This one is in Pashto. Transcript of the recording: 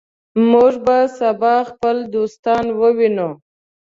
موږ به سبا خپل دوستان ووینو.